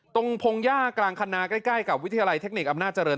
ตรงพงหญ้ากลางคณะใกล้กับวิทยาลัยเทคนิคอำนาจริง